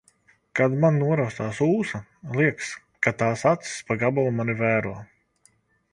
Kad man noraustās ūsa. Liekas, ka tās acis pa gabalu mani vēro.